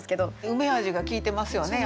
「うめ味」が効いてますよね